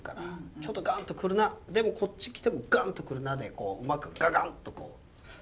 ちょっとガンッと来るなでもこっち来てもガンッと来るなでうまくガガンッとこう。